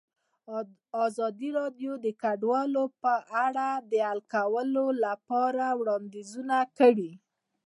ازادي راډیو د کډوال په اړه د حل کولو لپاره وړاندیزونه کړي.